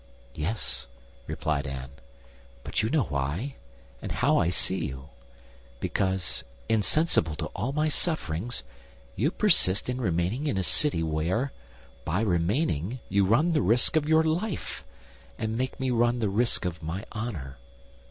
"Yes," replied Anne, "but you know why and how I see you; because, insensible to all my sufferings, you persist in remaining in a city where, by remaining, you run the risk of your life, and make me run the risk of my honor.